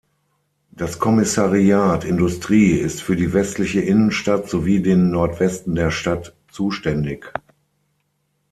Das Kommissariat Industrie ist für die westliche Innenstadt, sowie den Nordwesten der Stadt zuständig.